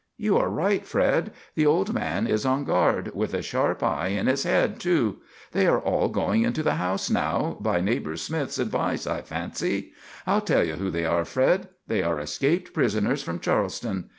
You are right, Fred; the old man is on guard, with a sharp eye in his head, too. They are all going into the house now, by Neighbor Smith's advice, I fancy. I'll tell you who they are, Fred. They are escaped prisoners from Charleston.